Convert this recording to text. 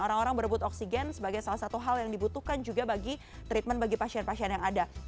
orang orang berebut oksigen sebagai salah satu hal yang dibutuhkan juga bagi treatment bagi pasien pasien yang ada